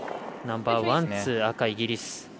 ナンバーワン、ツー赤のイギリス。